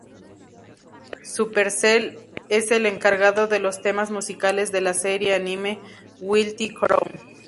Supercell es el encargado de los temas musicales de la serie anime Guilty Crown.